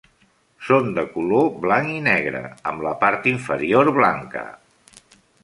Són de color blanc i negre, amb la part inferior blanca.